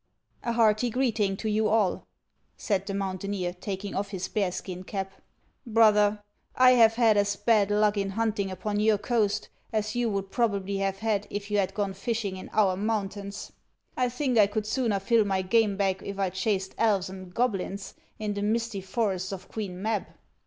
" A hearty greeting to you all," said the mountaineer, taking off his bearskin cap. " Brother, I 've had as bad ludc in hunting upon your coast as you would probably 310 HANS OF ICELAND. have had if you had gone fishing in our mountains. T think I could sooner till my game bag if I chased elves and goblins in the misty forests of Queen Mab.